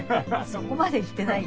そこまで言ってない。